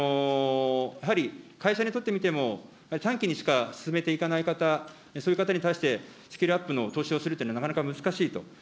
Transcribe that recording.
やはり会社にとってみても、短期にしか進めていかない方、そういう方に対して、スキルアップの投資をするというのはなかなか難しいと。